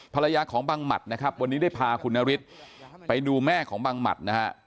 ภรรยาของบังหมัดนะครับวันนี้ได้พาคุณนฤทธิ์ไปดูแม่ของบังหมัดนะฮะ